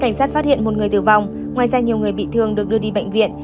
hiện một người tử vong ngoài ra nhiều người bị thương được đưa đi bệnh viện